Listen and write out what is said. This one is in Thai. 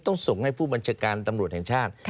ต้องส่งให้ผู้บัญชาการตำรวจแห่งชาติ